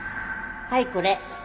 はいこれ。